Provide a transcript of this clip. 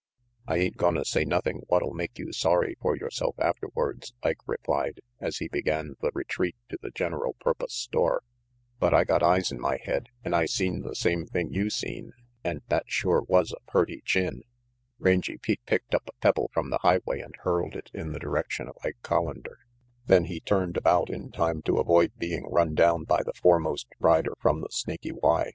"I ain't gonna say nothing what'll make you sorry for yourself afterwards," Ike replied, as he began the retreat to the "General Purpus" store, "but I got eyes in my head and I seen the same thing you seen, and that sure was a purty chin Rangy Pete picked up a pebble from the highway and hurled it in the direction of Ike Collander, then he turned about in time to avoid being run down by the foremost rider from the Snaky Y.